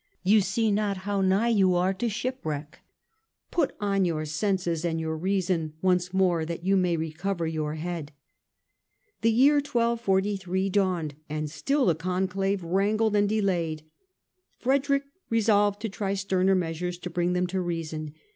You see not how nigh you are to shipwreck : put on your senses and your reason once more that you may recover your Head." The year 1 243 dawned and still the Conclave wrangled and delayed. Frederick resolved to try sterner measures to bring them to reason.